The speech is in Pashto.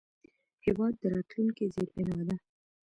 هېواد د راتلونکي زیربنا ده.